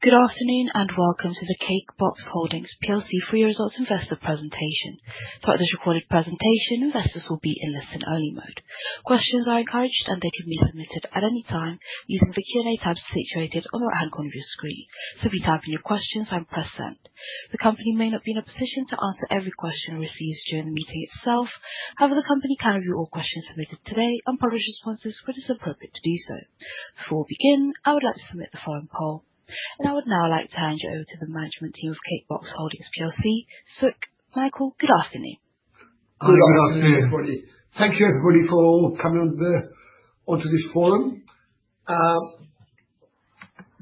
Good afternoon and welcome to the Cake Box Holdings plc FY Results Investor Presentation. Throughout this recorded presentation, investors will be in listen-only mode. Questions are encouraged, and they can be submitted at any time using the Q&A tabs situated on the right-hand corner of your screen. Simply type in your questions and press send. The company may not be in a position to answer every question received during the meeting itself; however, the company can review all questions submitted today and publish responses when it's appropriate to do so. Before we begin, I would like to submit the following poll, and I would now like to hand you over to the management team of Cake Box Holdings plc, Sukh, Michael, good afternoon. Good afternoon, everybody. Thank you, everybody, for coming onto this forum.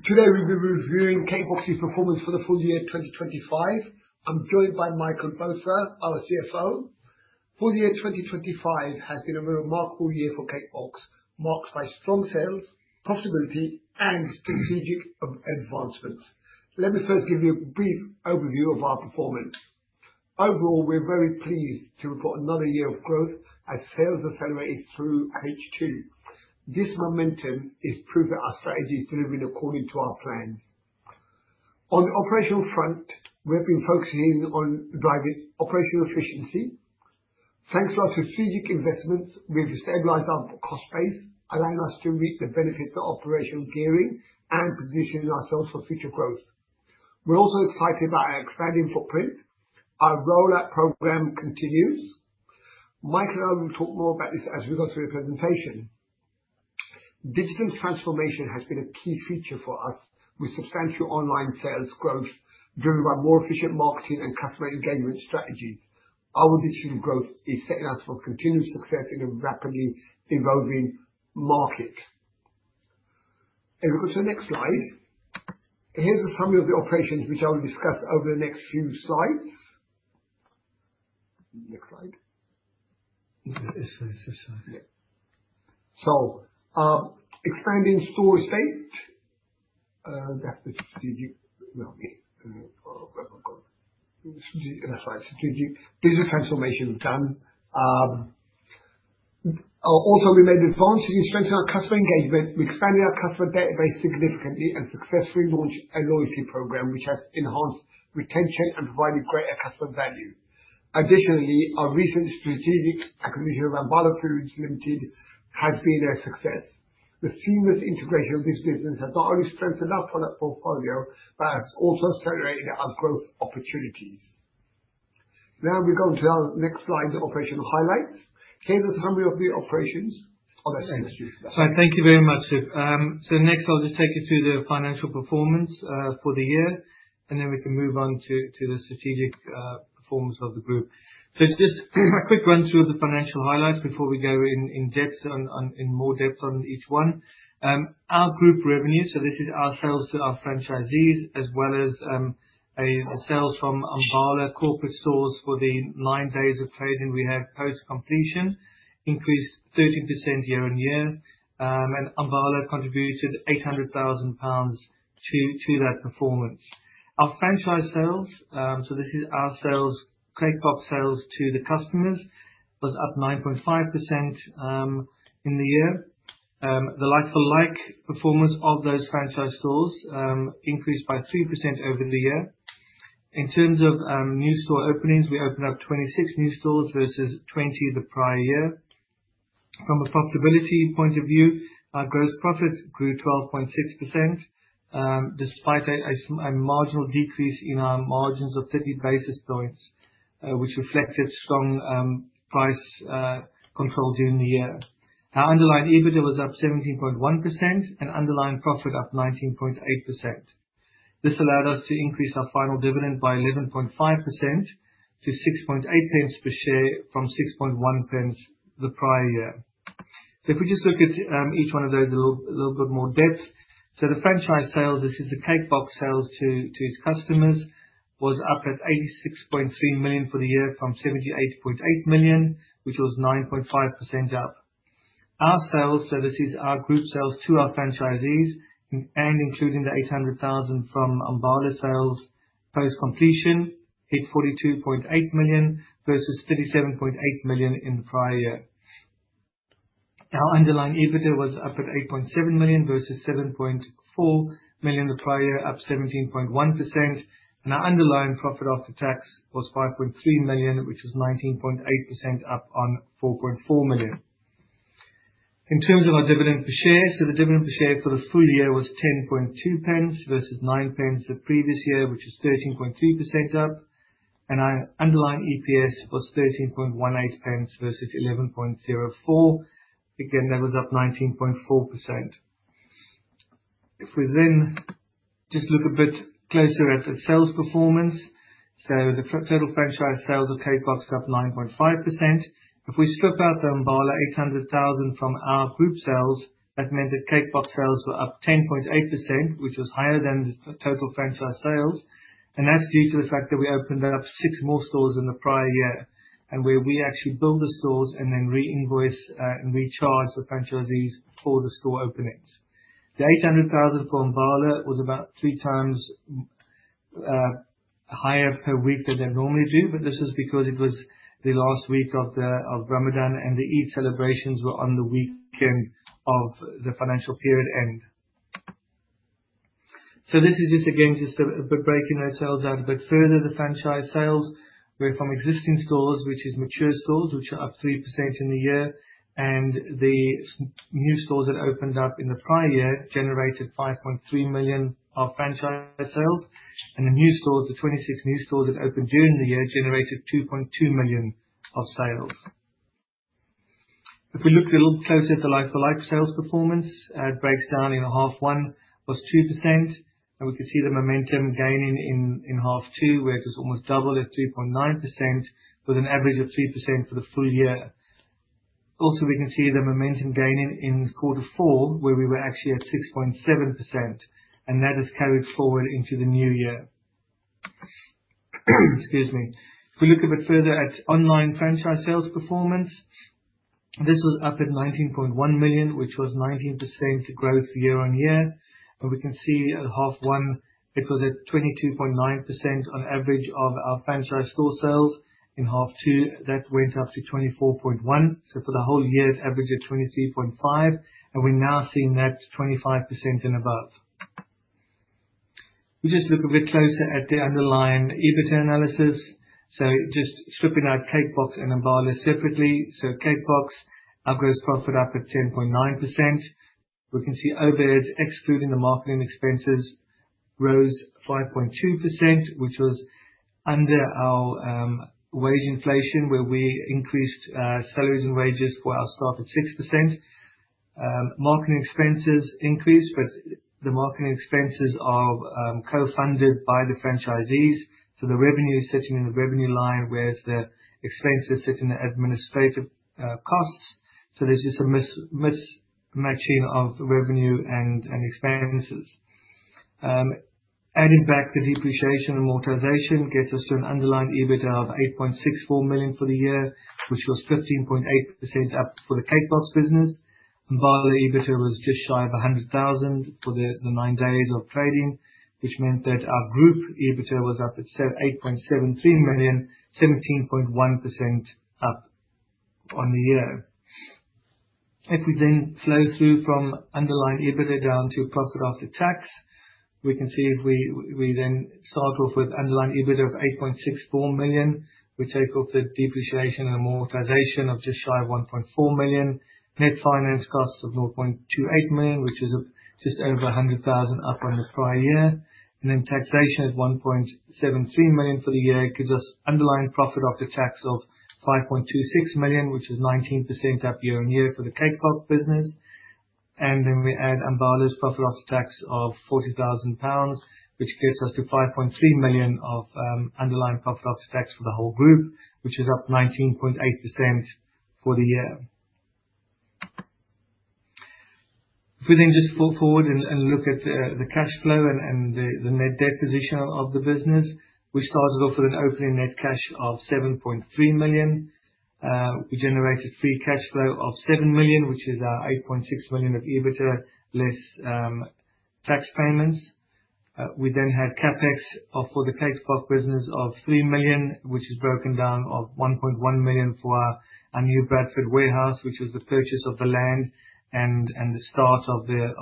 Today, we'll be reviewing Cake Box's performance for the full year 2025. I'm joined by Michael Botha, our CFO. Full year 2025 has been a remarkable year for Cake Box, marked by strong sales, profitability, and strategic advancements. Let me first give you a brief overview of our performance. Overall, we're very pleased to report another year of growth as sales accelerated through H2. This momentum is proof that our strategy is delivering according to our plan. On the operational front, we've been focusing on driving operational efficiency. Thanks to our strategic investments, we've stabilized our cost base, allowing us to reap the benefits of operational gearing and positioning ourselves for future growth. We're also excited about our expanding footprint. Our rollout program continues. Michael and I will talk more about this as we go through the presentation. Digital transformation has been a key feature for us, with substantial online sales growth driven by more efficient marketing and customer engagement strategies. Our digital growth is setting us for continued success in a rapidly evolving market. If we go to the next slide, here's a summary of the operations which I will discuss over the next few slides. Next slide. Yes, sorry. This slide. Yeah, so expanding store estate, that's the strategic digital transformation done. Also, we made advances in strengthening our customer engagement. We expanded our customer database significantly and successfully launched a loyalty program which has enhanced retention and provided greater customer value. Additionally, our recent strategic acquisition of Ambala Foods Limited has been a success. The seamless integration of this business has not only strengthened our product portfolio but has also accelerated our growth opportunities. Now, we go to our next slide, the operational highlights. Here's a summary of the operations. Thank you very much, Sukh. So next, I'll just take you through the financial performance for the year, and then we can move on to the strategic performance of the group. So just a quick run-through of the financial highlights before we go in more depth on each one. Our group revenue, so this is our sales to our franchisees as well as sales from Ambala corporate stores for the nine days of trading we have post-completion, increased 13% year-on-year, and Ambala contributed 800,000 pounds to that performance. Our franchise sales, so this is our sales, Cake Box sales to the customers, was up 9.5% in the year. The like-for-like performance of those franchise stores increased by 3% over the year. In terms of new store openings, we opened up 26 new stores versus 20 the prior year. From a profitability point of view, our gross profit grew 12.6% despite a marginal decrease in our margins of 30 basis points, which reflected strong price control during the year. Our underlying EBITDA was up 17.1% and underlying profit up 19.8%. This allowed us to increase our final dividend by 11.5% to 0.068 per share from 0.061 the prior year, so if we just look at each one of those a little bit more depth, so the franchise sales, this is the Cake Box sales to its customers, was up at 86.3 million for the year from 78.8 million, which was 9.5% up. Our sales, so this is our group sales to our franchisees and including the 800,000 from Ambala sales post-completion, hit 42.8 million versus 37.8 million in the prior year. Our underlying EBITDA was up at 8.7 million versus 7.4 million the prior year, up 17.1%, and our underlying profit after tax was 5.3 million, which was 19.8% up on 4.4 million. In terms of our dividend per share, so the dividend per share for the full year was 0.102 versus 0.09 the previous year, which is 13.3% up, and our underlying EPS was 0.1318 versus 0.1104. Again, that was up 19.4%. If we then just look a bit closer at the sales performance, so the total franchise sales of Cake Box is up 9.5%. If we strip out the Ambala 800,000 from our group sales, that meant that Cake Box sales were up 10.8%, which was higher than the total franchise sales, and that's due to the fact that we opened up six more stores than the prior year, and where we actually build the stores and then re-invoice and recharge the franchisees for the store openings. The 800,000 for Ambala was about 3x higher per week than they normally do, but this was because it was the last week of Ramadan, and the Eid celebrations were on the weekend of the financial period end. This is just, again, just a bit breaking those sales out a bit further. The franchise sales were from existing stores, which is mature stores, which are up 3% in the year, and the new stores that opened up in the prior year generated 5.3 million of franchise sales, and the new stores, the 26 new stores that opened during the year, generated 2.2 million of sales. If we look a little closer at the like-for-like sales performance, it breaks down in half one, was 2%, and we can see the momentum gaining in half two, where it was almost double at 3.9%, with an average of 3% for the full year. Also, we can see the momentum gaining in quarter four, where we were actually at 6.7%, and that has carried forward into the new year. Excuse me. If we look a bit further at online franchise sales performance, this was up at 19.1 million, which was 19% growth year-on-year, and we can see at half one, it was at 22.9% on average of our franchise store sales in half two. That went up to 24.1%, so for the whole year, it averaged at 23.5%, and we're now seeing that 25% and above. We just look a bit closer at the underlying EBITDA analysis, so just stripping out Cake Box and Ambala separately. So Cake Box, our gross profit up at 10.9%. We can see EBITDA, excluding the marketing expenses, rose 5.2%, which was under our wage inflation, where we increased salaries and wages for our staff at 6%. Marketing expenses increased, but the marketing expenses are co-funded by the franchisees, so the revenue is sitting in the revenue line whereas the expenses sit in the administrative costs, so there's just a mismatching of revenue and expenses. Adding back the depreciation and amortization gets us to an underlying EBITDA of 8.64 million for the year, which was 15.8% up for the Cake Box business. Ambala EBITDA was just shy of 100,000 for the nine days of trading, which meant that our group EBITDA was up at 8.73 million, 17.1% up on the year. If we then flow through from underlying EBITDA down to profit after tax, we can see if we then start off with underlying EBITDA of 8.64 million, we take off the depreciation and amortization of just shy of 1.4 million, net finance costs of 0.28 million, which is just over 100,000 up on the prior year, and then taxation at 1.73 million for the year gives us underlying profit after tax of 5.26 million, which is 19% up year-on-year for the Cake Box business, and then we add Ambala's profit after tax of 40,000 pounds, which gets us to 5.3 million of underlying profit after tax for the whole group, which is up 19.8% for the year. If we then just forward and look at the cash flow and the net debt position of the business, we started off with an opening net cash of 7.3 million. We generated free cash flow of 7 million, which is 8.6 million of EBITDA less tax payments. We then had CapEx for the Cake Box business of 3 million, which is broken down of 1.1 million for our new Bradford warehouse, which was the purchase of the land and the start of the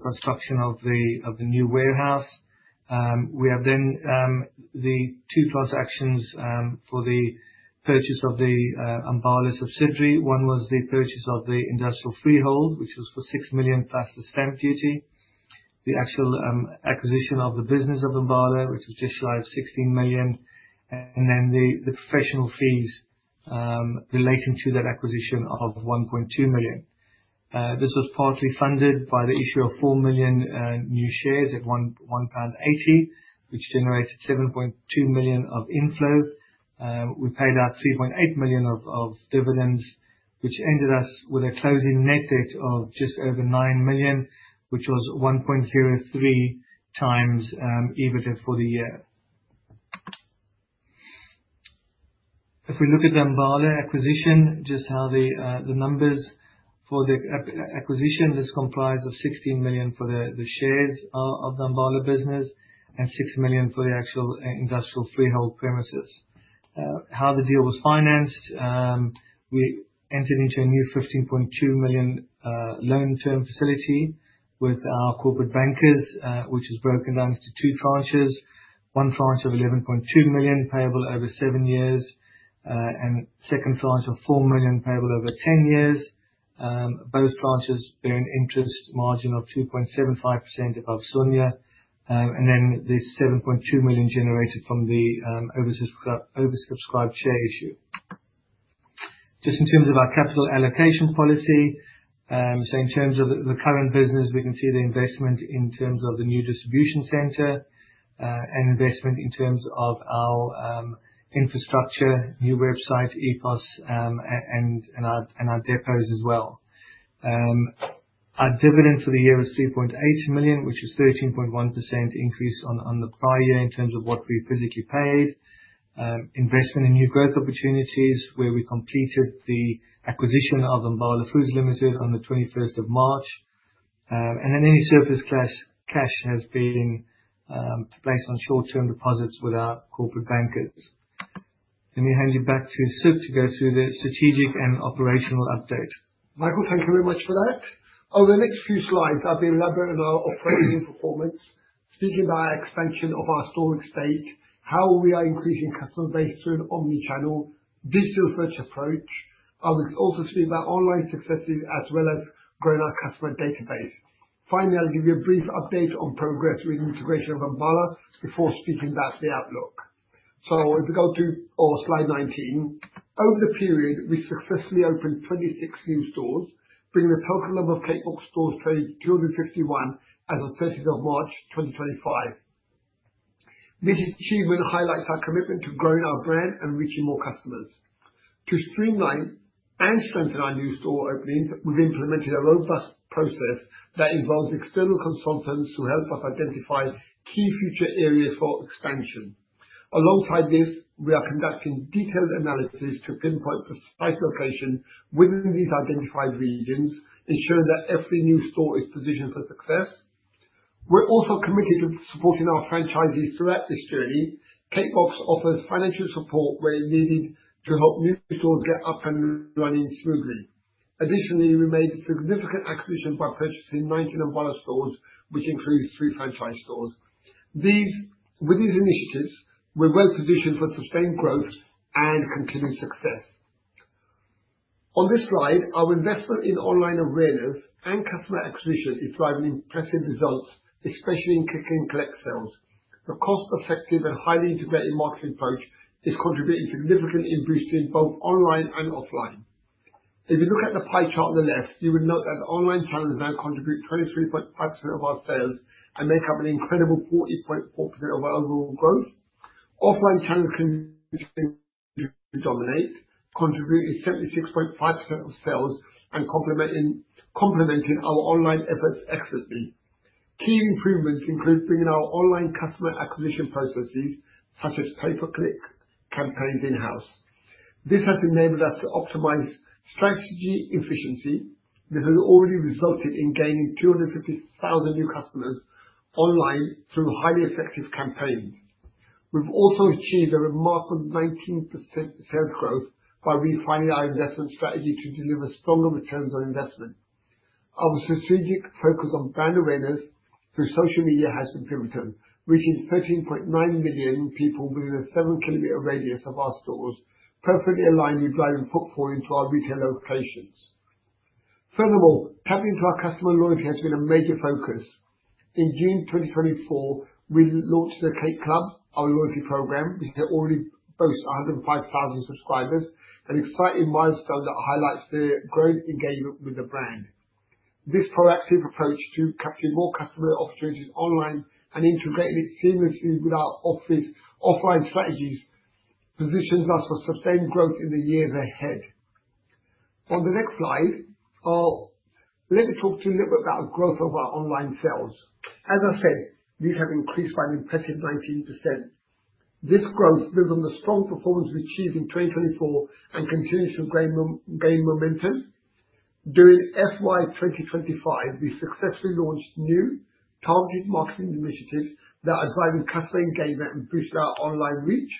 construction of the new warehouse. We have then the two transactions for the purchase of the Ambala subsidiary. One was the purchase of the industrial freehold, which was for 6 million plus the stamp duty, the actual acquisition of the business of Ambala, which was just shy of 16 million, and then the professional fees relating to that acquisition of 1.2 million. This was partly funded by the issue of 4 million new shares at 1.80 pound, which generated 7.2 million of inflow. We paid out 3.8 million of dividends, which ended us with a closing net debt of just over 9 million, which was 1.03x EBITDA for the year. If we look at the Ambala acquisition, just how the numbers for the acquisition, this comprised of 16 million for the shares of the Ambala business and 6 million for the actual industrial freehold premises. How the deal was financed, we entered into a new 15.2 million loan-term facility with our corporate bankers, which was broken down into two tranches. One tranche of 11.2 million payable over seven years and second tranche of 4 million payable over 10 years. Both tranches bear an interest margin of 2.75% above SONIA, and then the 7.2 million generated from the oversubscribed share issue. Just in terms of our capital allocation policy, so in terms of the current business, we can see the investment in terms of the new distribution center and investment in terms of our infrastructure, new website, EPOS, and our depots as well. Our dividend for the year was 3.8 million, which was 13.1% increase on the prior year in terms of what we physically paid. Investment in new growth opportunities where we completed the acquisition of Ambala Foods Limited on the 21st of March, and then any surplus cash has been placed on short-term deposits with our corporate bankers. Let me hand you back to Sukh to go through the strategic and operational update. Michael, thank you very much for that. Over the next few slides, I'll be elaborating on our operating performance, speaking about our expansion of our store estate, how we are increasing customer base through an omnichannel digital-first approach. I will also speak about online successes as well as growing our customer database. Finally, I'll give you a brief update on progress with the integration of Ambala before speaking about the outlook. So if we go to slide 19, over the period, we successfully opened 26 new stores, bringing the total number of Cake Box stores to 251 as of 30th of March 2025. This achievement highlights our commitment to growing our brand and reaching more customers. To streamline and strengthen our new store openings, we've implemented a robust process that involves external consultants who help us identify key future areas for expansion. Alongside this, we are conducting detailed analysis to pinpoint precise locations within these identified regions, ensuring that every new store is positioned for success. We're also committed to supporting our franchisees throughout this journey. Cake Box offers financial support where needed to help new stores get up and running smoothly. Additionally, we made significant acquisitions by purchasing 19 Ambala stores, which includes three franchise stores. With these initiatives, we're well positioned for sustained growth and continued success. On this slide, our investment in online awareness and customer acquisition is driving impressive results, especially in click-and-collect sales. The cost-effective and highly integrated marketing approach is contributing significantly in boosting both online and offline. If you look at the pie chart on the left, you will note that online channels now contribute 23.5% of our sales and make up an incredible 40.4% of our overall growth. Offline channels continue to dominate, contributing 76.5% of sales and complementing our online efforts excellently. Key improvements include bringing our online customer acquisition processes, such as pay-per-click campaigns, in-house. This has enabled us to optimize strategy efficiency. This has already resulted in gaining 250,000 new customers online through highly effective campaigns. We've also achieved a remarkable 19% sales growth by refining our investment strategy to deliver stronger returns on investment. Our strategic focus on brand awareness through social media has been pivotal, reaching 13.9 million people within a 7-kilometer radius of our stores, perfectly aligning brand and footfall into our retail locations. Furthermore, tapping into our customer loyalty has been a major focus. In June 2024, we launched the Cake Club, our loyalty program, which already boasts 105,000 subscribers, an exciting milestone that highlights the growing engagement with the brand. This proactive approach to capturing more customer opportunities online and integrating it seamlessly with our offline strategies positions us for sustained growth in the years ahead. On the next slide, let me talk to you a little bit about the growth of our online sales. As I said, these have increased by an impressive 19%. This growth builds on the strong performance we achieved in 2024 and continues to gain momentum. During FY 2025, we successfully launched new targeted marketing initiatives that are driving customer engagement and boosting our online reach.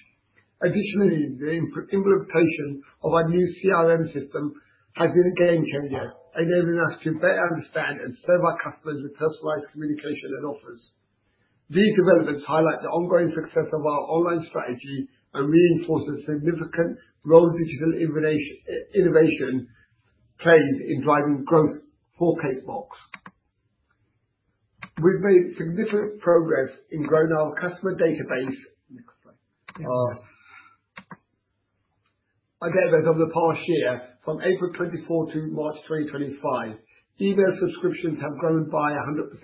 Additionally, the implementation of our new CRM system has been a game changer, enabling us to better understand and serve our customers with personalized communication and offers. These developments highlight the ongoing success of our online strategy and reinforce the significant role digital innovation plays in driving growth for Cake Box. We've made significant progress in growing our customer database. Next slide. Again, over the past year, from April 2024 to March 2025, email subscriptions have grown by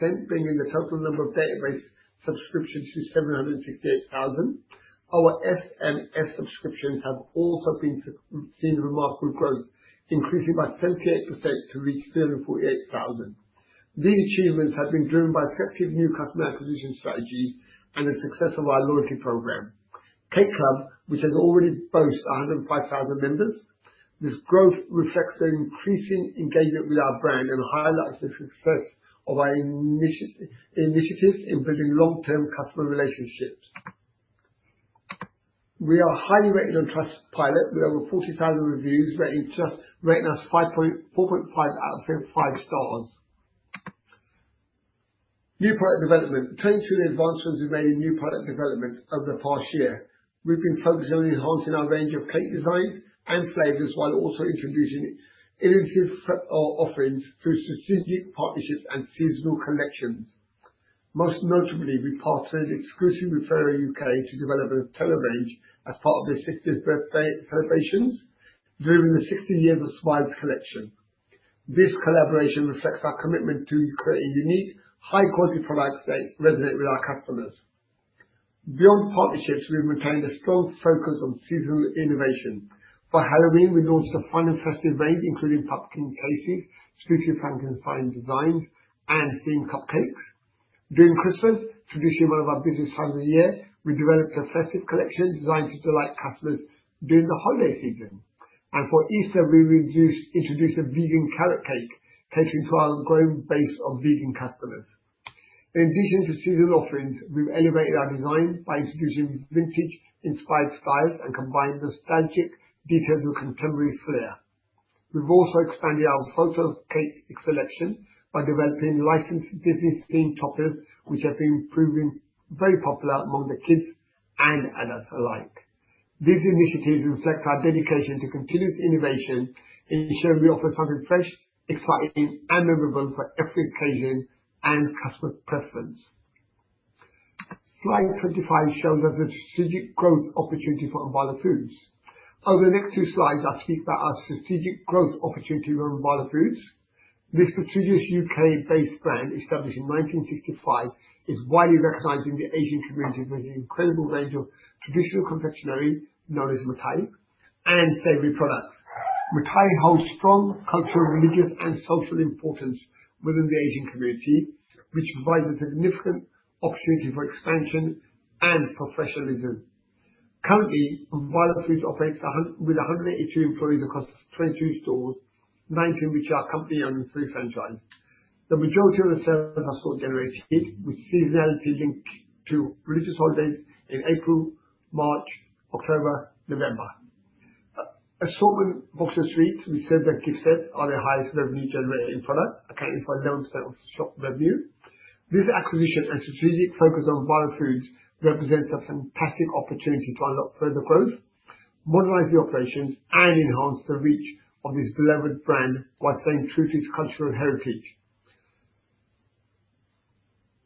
100%, bringing the total number of database subscriptions to 768,000. Our SMS subscriptions have also seen remarkable growth, increasing by 78% to reach 348,000. These achievements have been driven by effective new customer acquisition strategies and the success of our loyalty program. Cake Club, which already boasts 105,000 members. This growth reflects the increasing engagement with our brand and highlights the success of our initiatives in building long-term customer relationships. We are highly rated on Trustpilot with over 40,000 reviews, rating us 4.5 out of 5 stars. New product development. 22 advancements we've made in new product development over the past year. We've been focusing on enhancing our range of cake designs and flavors while also introducing innovative offerings through strategic partnerships and seasonal collections. Most notably, we partnered exclusively with Ferrero UK to develop a Nutella range as part of their 60th birthday celebrations, during the 60 Years of Smiles collection. This collaboration reflects our commitment to creating unique, high-quality products that resonate with our customers. Beyond partnerships, we've maintained a strong focus on seasonal innovation. For Halloween, we launched a fun and festive range, including pumpkin cakes, spooky Frankenstein designs, and themed cupcakes. During Christmas, traditionally one of our busiest times of the year, we developed a festive collection designed to delight customers during the holiday season, and for Easter, we introduced a vegan carrot cake, catering to our growing base of vegan customers. In addition to seasonal offerings, we've elevated our design by introducing vintage-inspired styles and combined nostalgic details with contemporary flair. We've also expanded our photo cake selection by developing licensed Disney-themed toppers, which have been proving very popular among the kids and adults alike. These initiatives reflect our dedication to continuous innovation, ensuring we offer something fresh, exciting, and memorable for every occasion and customer preference. Slide 25 shows us a strategic growth opportunity for Ambala Foods. Over the next two slides, I'll speak about our strategic growth opportunity with Ambala Foods. This strategic U.K.-based brand, established in 1965, is widely recognized in the Asian community with an incredible range of traditional confectionery known as mithai and savory products. Mithai holds strong cultural, religious, and social importance within the Asian community, which provides a significant opportunity for expansion and professionalism. Currently, Ambala Foods operates with 182 employees across 22 stores, 19 of which are company-owned and three franchised. The majority of the sales are store-generated, with seasonality linked to religious holidays in April, March, October, November. Assortment boxes of sweets which serve their gift set, are the highest revenue-generating product, accounting for 11% of shop revenue. This acquisition and strategic focus on Ambala Foods represents a fantastic opportunity to unlock further growth, modernize the operations, and enhance the reach of this beloved brand while staying true to its cultural heritage.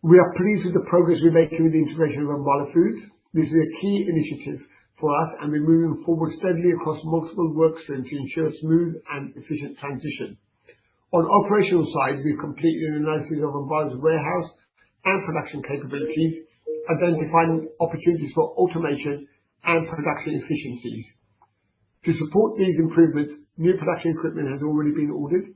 We are pleased with the progress we're making with the integration of Ambala Foods. This is a key initiative for us, and we're moving forward steadily across multiple workstreams to ensure a smooth and efficient transition. On the operational side, we've completed an analysis of Ambala's warehouse and production capabilities, identifying opportunities for automation and production efficiencies. To support these improvements, new production equipment has already been ordered.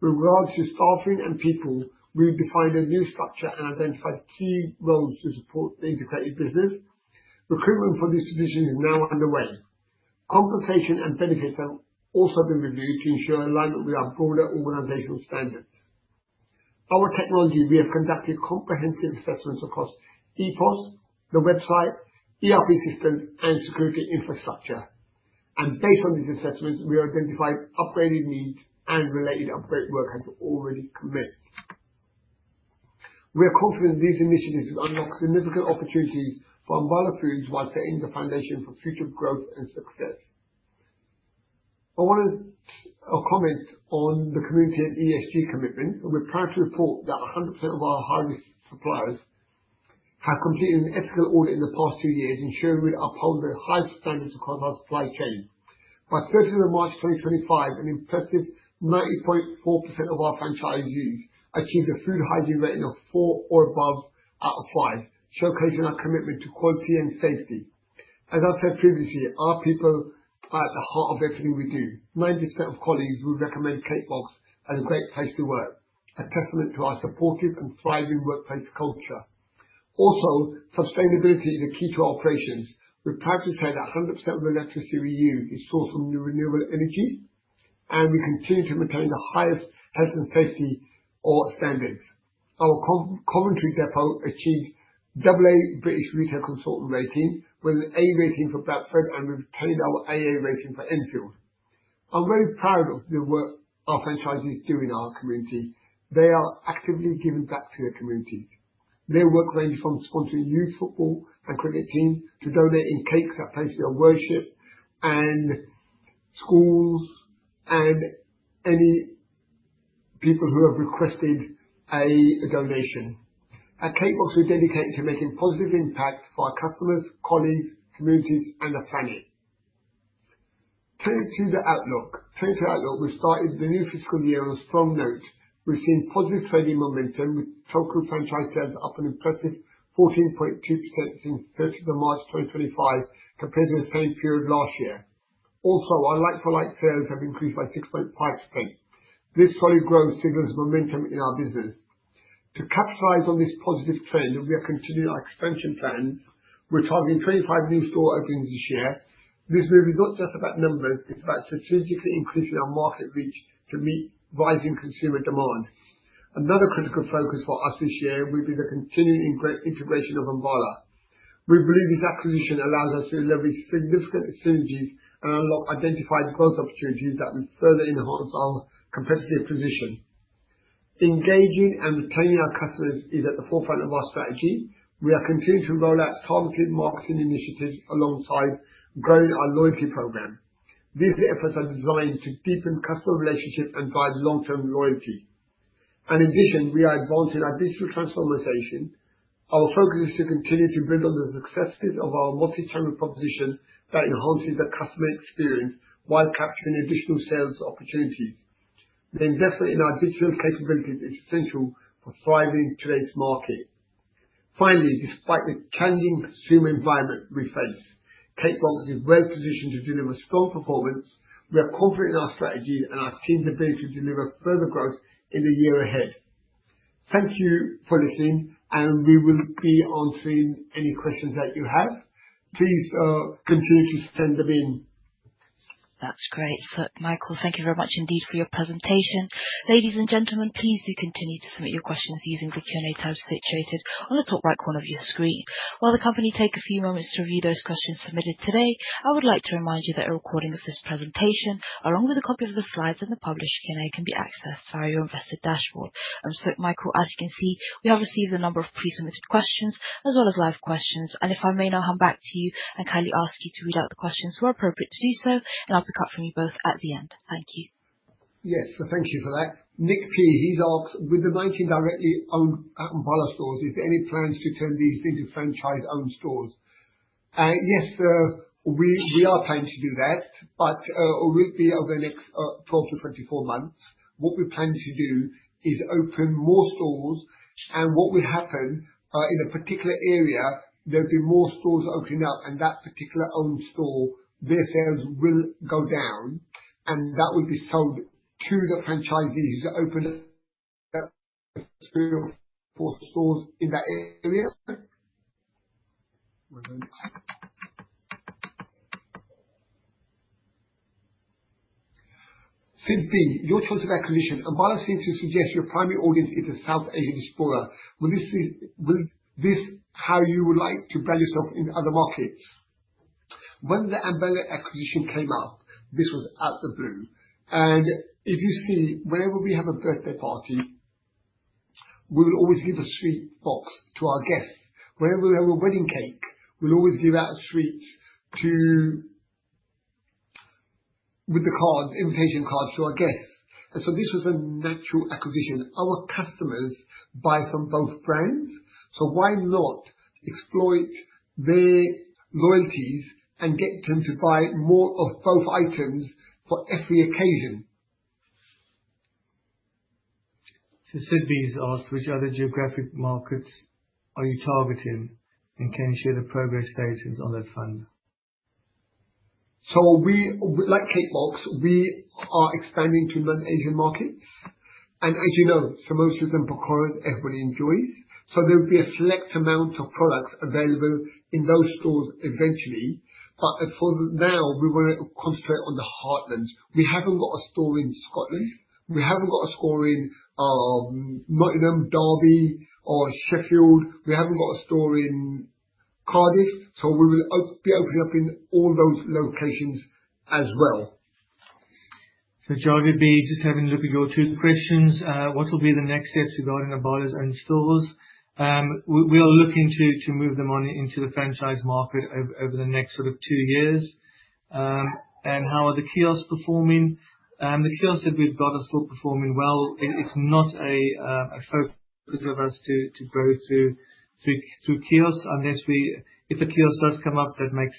With regards to staffing and people, we've defined a new structure and identified key roles to support the integrated business. Recruitment for this position is now underway. Compensation and benefits have also been reviewed to ensure alignment with our broader organizational standards. Our technology, we have conducted comprehensive assessments across EPOS, the website, ERP systems, and security infrastructure, and based on these assessments, we've identified upgraded needs and related upgrade work has already commenced. We are confident these initiatives will unlock significant opportunities for Ambala Foods while setting the foundation for future growth and success. I want to comment on the community and ESG commitment. We're proud to report that 100% of our high-risk suppliers have completed an ethical audit in the past two years, ensuring we uphold the highest standards across our supply chain. By 30th of March 2025, an impressive 90.4% of our franchisees achieved a food hygiene rating of 4 or above out of 5, showcasing our commitment to quality and safety. As I've said previously, our people are at the heart of everything we do. 90% of colleagues would recommend Cake Box as a great place to work, a testament to our supportive and thriving workplace culture. Also, sustainability is a key to our operations. We're proud to say that 100% of the electricity we use is sourced from renewable energy, and we continue to maintain the highest health and safety standards. Our Coventry Depot achieved AA British Retail Consortium rating, with an A rating for Bradford, and we've retained our AA rating for Enfield. I'm very proud of the work our franchisees do in our community. They are actively giving back to their communities. Their work ranges from sponsoring youth football and cricket teams to donating cakes at places of worship and schools and any people who have requested a donation. At Cake Box, we're dedicated to making a positive impact for our customers, colleagues, communities, and the planet. Turning to the outlook, 2022 outlook, we've started the new fiscal year on a strong note. We've seen positive trading momentum, with total franchise sales up an impressive 14.2% since 30th of March 2025, compared to the same period last year. Also, our like-for-like sales have increased by 6.5%. This solid growth signals momentum in our business. To capitalize on this positive trend, we are continuing our expansion plans. We're targeting 25 new store openings this year. This move is not just about numbers. It's about strategically increasing our market reach to meet rising consumer demand. Another critical focus for us this year will be the continuing integration of Ambala. We believe this acquisition allows us to leverage significant synergies and unlock identified growth opportunities that will further enhance our competitive position. Engaging and retaining our customers is at the forefront of our strategy. We are continuing to roll out targeted marketing initiatives alongside growing our loyalty program. These efforts are designed to deepen customer relationships and drive long-term loyalty. In addition, we are advancing our digital transformation. Our focus is to continue to build on the successes of our multi-channel proposition that enhances the customer experience while capturing additional sales opportunities. The investment in our digital capabilities is essential for thriving in today's market. Finally, despite the changing consumer environment we face, Cake Box is well-positioned to deliver strong performance. We are confident in our strategy and our team's ability to deliver further growth in the year ahead. Thank you for listening, and we will be answering any questions that you have. Please continue to send them in. That's great. Sukh, Michael, thank you very much indeed for your presentation. Ladies and gentlemen, please do continue to submit your questions using the Q&A tab situated on the top right corner of your screen. While the company takes a few moments to review those questions submitted today, I would like to remind you that a recording of this presentation, along with a copy of the slides and the published Q&A, can be accessed via your Investor dashboard. Sukh, Michael, as you can see, we have received a number of pre-submitted questions as well as live questions. And if I may now come back to you and kindly ask you to read out the questions which are appropriate to do so, and I'll pick up from you both at the end. Thank you. Yes, so thank you for that. Nick P, he's asked, with the 19 directly owned Ambala stores, is there any plans to turn these into franchise-owned stores? Yes, we are planning to do that, but it will be over the next 12-24 months. What we plan to do is open more stores, and what will happen in a particular area, there'll be more stores opening up, and that particular owned store, their sales will go down, and that will be sold to the franchisees who opened three or four stores in that area. Syd B, your choice of acquisition, Ambala seems to suggest your primary audience is a South Asian consumer. Will this be how you would like to brand yourself in other markets? When the Ambala acquisition came up, this was out of the blue. And if you see, whenever we have a birthday party, we will always give a sweet box to our guests. Whenever we have a wedding cake, we'll always give out a sweet with the invitation cards to our guests. And so this was a natural acquisition. Our customers buy from both brands, so why not exploit their loyalties and get them to buy more of both items for every occasion? So, Syd B's asked, which other geographic markets are you targeting, and can you share the progress statements on that fund? So, like Cake Box, we are expanding to non-Asian markets. And as you know, samosas and pakoras, everybody enjoys. So there will be a select amount of products available in those stores eventually. But for now, we want to concentrate on the heartlands. We haven't got a store in Scotland. We haven't got a store in Nottingham, Derby, or Sheffield. We haven't got a store in Cardiff, so we will be opening up in all those locations as well. Jarvis B, just having a look at your two questions. What will be the next steps regarding Ambala's owned stores? We are looking to move them on into the franchise market over the next sort of two years. And how are the kiosks performing? The kiosks that we've got are still performing well. It's not a focus of us to grow through kiosks unless we—if a kiosk does come up, that makes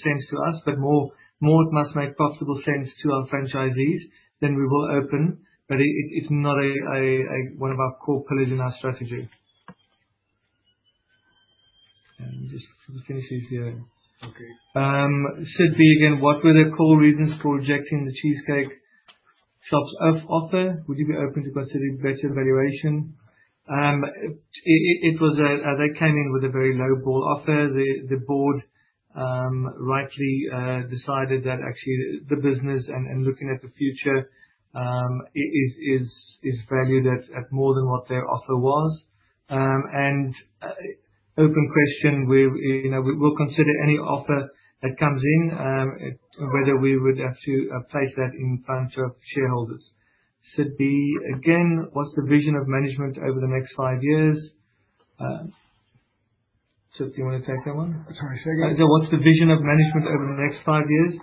sense to us. But more it must make profitable sense to our franchisees, then we will open. But it's not one of our core pillars in our strategy. And just for the finishes here. Okay. Syd B, again, what were the core reasons for rejecting The Cheesecake Shop's offer? Would you be open to considering better valuation? It was a - they came in with a very low-ball offer. The board rightly decided that actually the business and looking at the future is valued at more than what their offer was. An open question, we'll consider any offer that comes in, whether we would have to place that in front of shareholders. Syd B, again, what's the vision of management over the next five years? So, do you want to take that one? Sorry, say again. So, what's the vision of management over the next five years?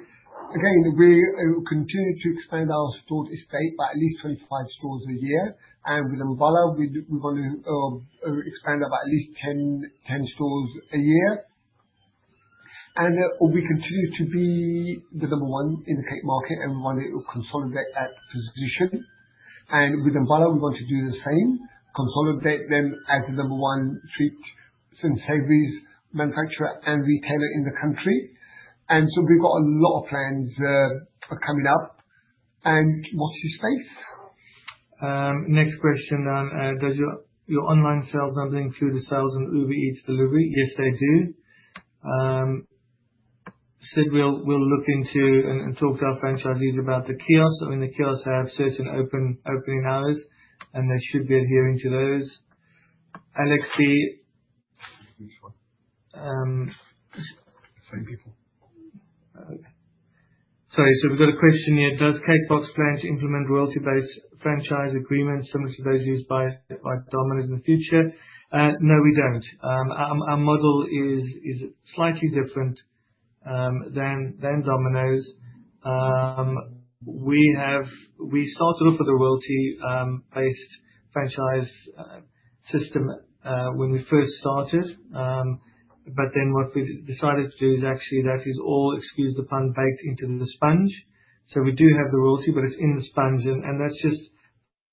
Again, we continue to expand our store estate by at least 25 stores a year. And with Ambala, we want to expand about at least 10 stores a year. We continue to be the number one in the cake market, and we want to consolidate that position. With Ambala, we want to do the same, consolidate them as the number one sweets and savory manufacturer and retailer in the country. We've got a lot of plans coming up. What's your space? Next question then, does your online sales number include the sales on Uber Eats delivery? Yes, they do. Syd, we'll look into and talk to our franchisees about the kiosks. I mean, the kiosks have certain opening hours, and they should be adhering to those. Alex B. Same people. Sorry, so we've got a question here. Does Cake Box plan to implement royalty-based franchise agreements similar to those used by Domino's in the future? No, we don't. Our model is slightly different than Domino's. We started off with a royalty-based franchise system when we first started, but then what we decided to do is actually that is all included and baked into the sponge. So we do have the royalty, but it's in the sponge. And that's just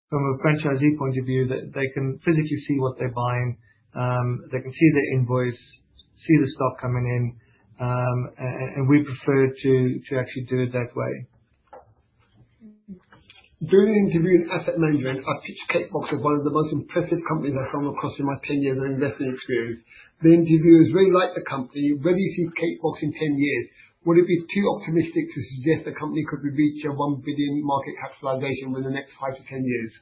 from a franchisee point of view that they can physically see what they're buying. They can see their invoice, see the stock coming in, and we prefer to actually do it that way. During an interview with an asset manager, I've pitched Cake Box as one of the most impressive companies I've come across in my 10 years of investing experience. The interviewer very much liked the company. Where do you see Cake Box in 10 years? Would it be too optimistic to suggest the company could reach a 1 billion market capitalization within the next 5-10 years?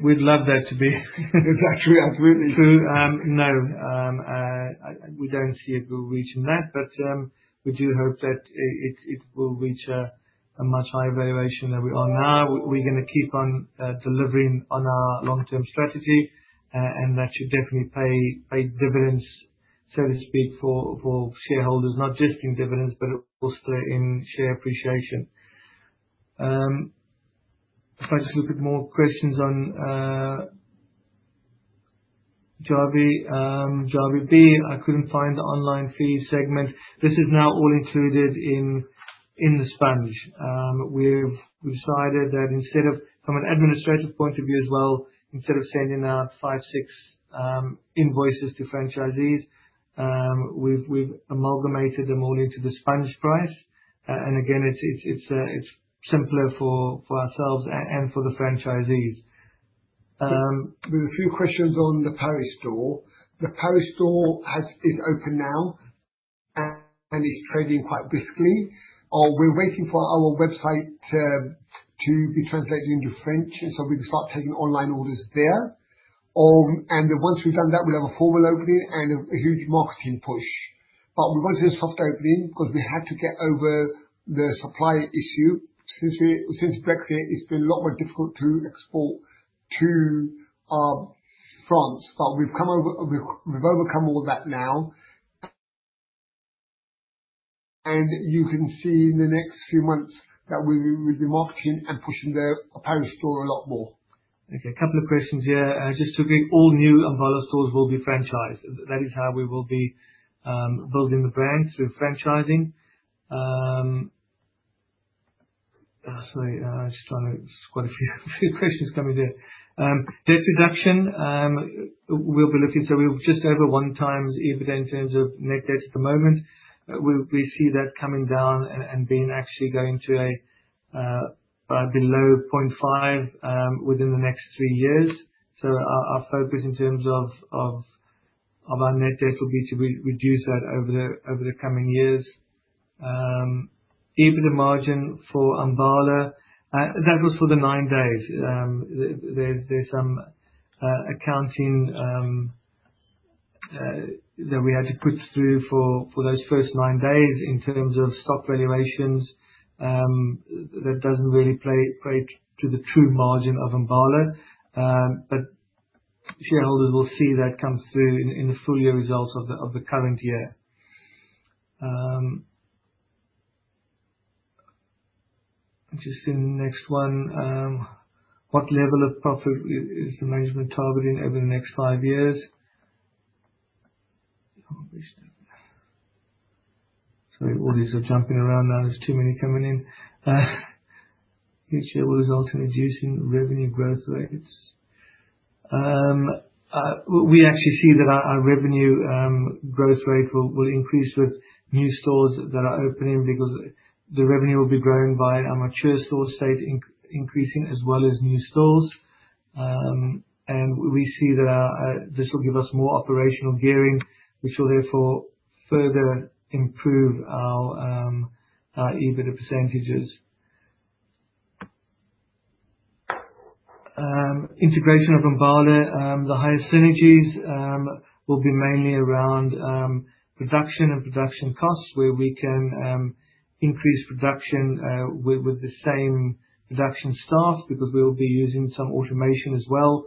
We'd love that to be. Exactly. Absolutely. So no, we don't see it reaching that, but we do hope that it will reach a much higher valuation than we are now. We're going to keep on delivering on our long-term strategy, and that should definitely pay dividends, so to speak, for shareholders, not just in dividends, but also in share appreciation. If I just look at more questions on Jarvis B, I couldn't find the online fee segment. This is now all included in the sponge. We've decided that instead of, from an administrative point of view as well, instead of sending out five, six invoices to franchisees, we've amalgamated them all into the sponge price. And again, it's simpler for ourselves and for the franchisees. We have a few questions on the Paris store. The Paris store is open now and is trading quite briskly. We're waiting for our website to be translated into French, so we can start taking online orders there. And once we've done that, we'll have a formal opening and a huge marketing push. But we wanted a soft opening because we had to get over the supply issue. Since Brexit, it's been a lot more difficult to export to France. But we've overcome all that now. And you can see in the next few months that we'll be marketing and pushing the Paris store a lot more. Okay, a couple of questions here. Just to agree, all new Ambala stores will be franchised. That is how we will be building the brand through franchising. Sorry, I'm just trying to, there's quite a few questions coming here. Debt reduction, we'll be looking to just over one times EBITDA in terms of net debt at the moment. We see that coming down and being actually going to below 0.5x within the next three years. So our focus in terms of our net debt will be to reduce that over the coming years. EBITDA margin for Ambala, that was for the nine days. There's some accounting that we had to put through for those first nine days in terms of stock valuations. That doesn't really play to the true margin of Ambala. But shareholders will see that come through in the full year results of the current year. Interesting. Next one. What level of profit is the management targeting over the next five years? Sorry, all these are jumping around now. There's too many coming in. Which will result in reducing revenue growth rates? We actually see that our revenue growth rate will increase with new stores that are opening because the revenue will be grown by our mature store estate increasing as well as new stores, and we see that this will give us more operational gearing, which will therefore further improve our EBITDA percentages. Integration of Ambala, the higher synergies will be mainly around production and production costs, where we can increase production with the same production staff because we'll be using some automation as well,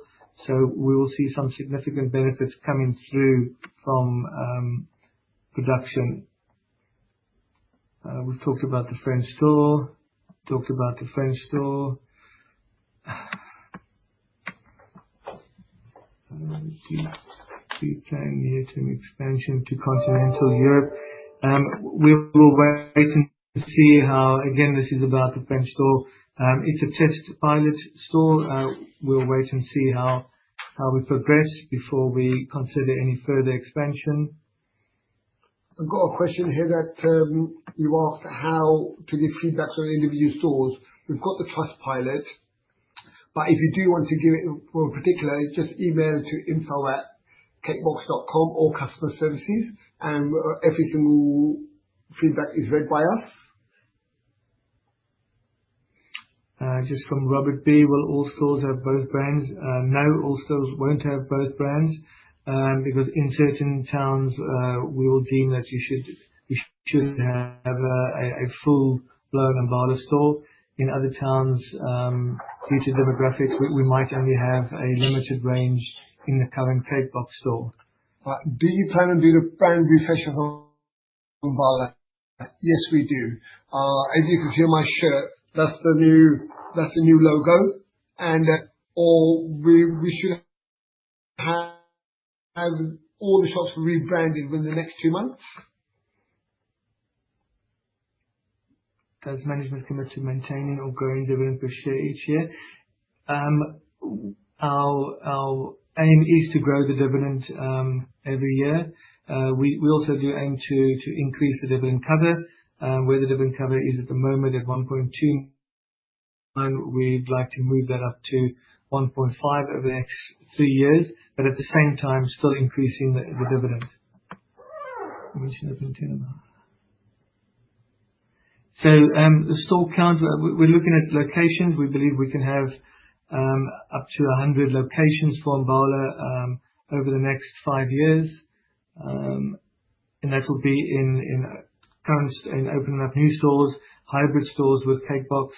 so we will see some significant benefits coming through from production. We've talked about the French store. Planning the international expansion to continental Europe. We will wait and see how, again, this is about the French store. It's a test pilot store. We'll wait and see how we progress before we consider any further expansion. I've got a question here that you asked how to give feedback to individual stores. We've got the Trustpilot, but if you do want to give it in particular, just email to info@cakebox.com or customer services, and every single feedback is read by us. Just from Robert B, will all stores have both brands? No, all stores won't have both brands because in certain towns, we will deem that you should have a full-blown Ambala store. In other towns, due to demographics, we might only have a limited range in the current Cake Box store. Do you plan on doing a brand refresher for Ambala? Yes, we do. As you can see on my shirt, that's the new logo, and we should have all the shops rebranded within the next two months. Does management commit to maintaining or growing dividend per share each year? Our aim is to grow the dividend every year. We also do aim to increase the dividend cover. Where the dividend cover is at the moment at 1.2, we'd like to move that up to 1.5 over the next three years, but at the same time, still increasing the dividend, so the store count, we're looking at locations. We believe we can have up to 100 locations for Ambala over the next five years, and that will be in opening up new stores, hybrid stores with Cake Box,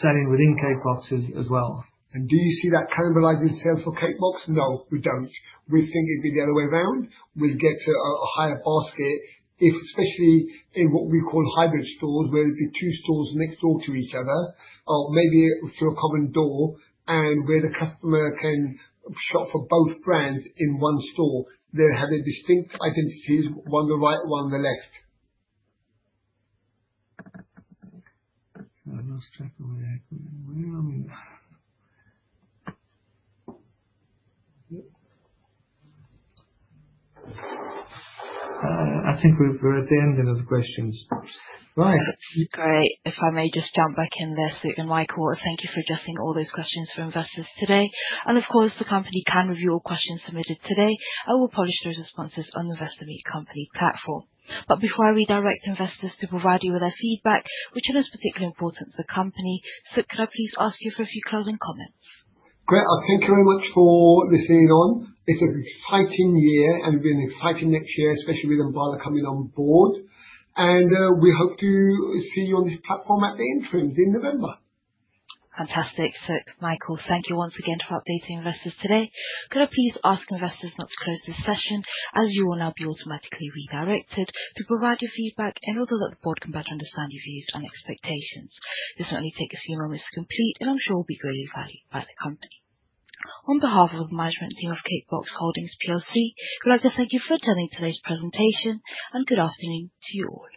selling within Cake Boxes as well. And do you see that cannibalizing sales for Cake Box? No, we don't. We think it'd be the other way around. We'll get to a higher basket, especially in what we call hybrid stores, where there'd be two stores next door to each other, or maybe through a common door, and where the customer can shop for both brands in one store. They'll have their distinct identities, one on the right, one on the left. I think we're at the end of the questions. Right. Great. If I may just jump back in there, Sukh and Michael, thank you for addressing all those questions for investors today. And of course, the company can review all questions submitted today and will publish those responses on the Investor Meet Company platform. But before I redirect investors to provide you with their feedback, which one is particularly important to the company? Sukh, could I please ask you for a few closing comments? Great. Thank you very much for listening in on. It's an exciting year, and it'll be an exciting next year, especially with Ambala coming on board, and we hope to see you on this platform at the interims in November. Fantastic. Sukh, Michael, thank you once again for updating investors today. Could I please ask investors not to close this session, as you will now be automatically redirected to provide your feedback in order that the board can better understand your views and expectations? This will only take a few moments to complete, and I'm sure it will be greatly valued by the company. On behalf of the management team of Cake Box Holdings plc, we'd like to thank you for attending today's presentation, and good afternoon to you all.